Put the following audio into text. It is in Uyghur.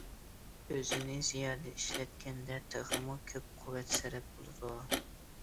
كۆزنى زىيادە ئىشلەتكەندە، تېخىمۇ كۆپ قۇۋۋەت سەرپ بولىدۇ.